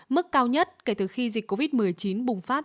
mức cao nhất kể từ khi dịch covid một mươi chín bùng phát